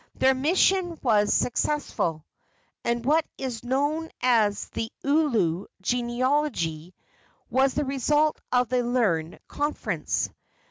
Their mission was successful, and what is known as the Ulu genealogy was the result of the learned conference.